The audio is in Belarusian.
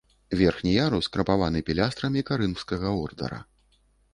Верхні ярус крапаваны пілястрамі карынфскага ордара.